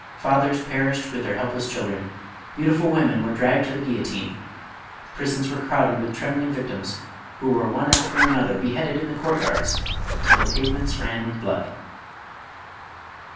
Fathers perished with their helpless children, beautiful women were dragged to the guillotine, the prisons were crowded with trembling victims, who were one after an other beheaded in the court yards, till the pavements ran with blood.